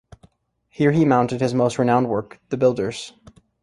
Here he mounted his most renowned work, The Builders.